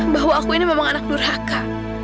bahwa aku ini memang anak durhaka